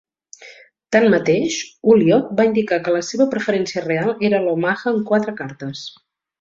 Tanmateix, Ulliott va indicar que la seva preferència real era l'Omaha amb quatre cartes.